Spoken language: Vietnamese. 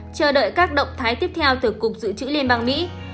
chờ đợi các động thái tiếp theo từ cục dự trữ liên bang mỹ